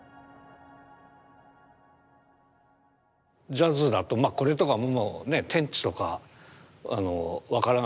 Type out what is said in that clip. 「ジャズ」だとこれとかもうね天地とか分からなくて。